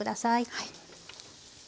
はい。